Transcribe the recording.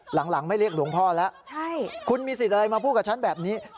หลังไม่เรียกหลวงพ่อแล้วคุณมีสิทธิ์อะไรมาพูดกับฉันแบบนี้